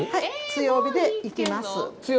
強火で行けます。